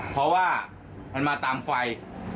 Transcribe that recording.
เพราะว่ามันมาตามไฟ